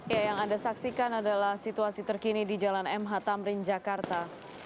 ya yang anda saksikan adalah situasi terkini di jalan mh tamrin jakarta